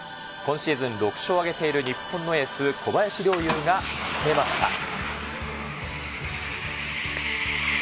今シーズン６勝を挙げている日本のエース、小林陵侑が見せました。